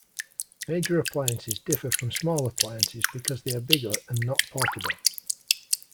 Major appliances differ from small appliances because they are bigger and not portable.